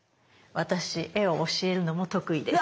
私絵を教えるのも得意です。